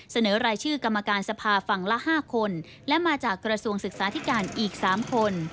เสนอรายชื่อกรรมการสภาฝั่งละ๕คนและมาจากกระทรวงศึกษาธิการอีก๓คน